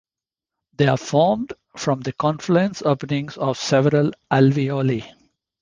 They are formed from the confluence openings of several alveoli.